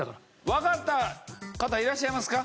わかった方いらっしゃいますか？